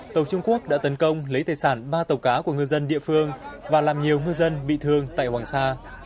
tàu trung quốc đã tấn công lấy tài sản ba tàu cá của ngư dân địa phương và làm nhiều ngư dân bị thương tại hoàng sa